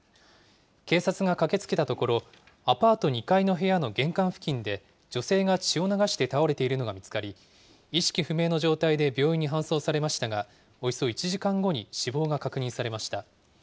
警察が駆けつけたところ、アパート２階の部屋の玄関付近で、女性が血を流して倒れているのが見つかり、意識不明の状態で病院に搬送されましたが、およそ１時間後に死亡が確認されました。